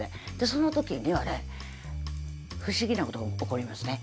その時にはね不思議なことが起こりますね。